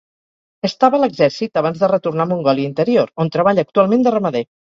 Estava a l'exèrcit abans de retornar a Mongòlia Interior, on treballa actualment de ramader.